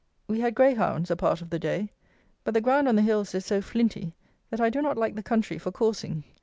We had greyhounds a part of the day; but the ground on the hills is so flinty, that I do not like the country for coursing.